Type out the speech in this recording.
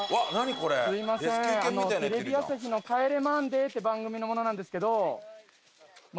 すみませんテレビ朝日の『帰れマンデー』って番組の者なんですけど。